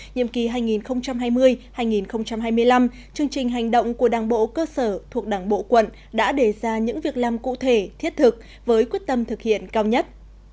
nhiệm kỳ hai nghìn hai mươi hai nghìn hai mươi năm chương trình hành động của đảng bộ cơ sở thuộc đảng bộ quận đã đề ra những việc làm cụ thể thiết thực với quyết tâm thực hiện cao nhất